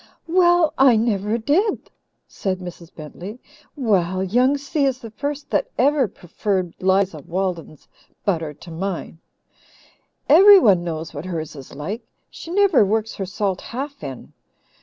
"Well, I never did!" said Mrs. Bentley. "Well, Young Si is the first that ever preferred 'Liza Walden's butter to mine. Everyone knows what hers is like. She never works her salt half in.